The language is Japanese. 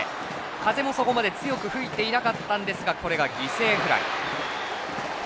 風もそこまで強く吹いていなかったんですがこれが犠牲フライ。